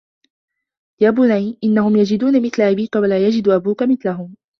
يَا بُنَيَّ إنَّهُمْ يَجِدُونَ مِثْلَ أَبِيك وَلَا يَجِدُ أَبُوك مِثْلَهُمْ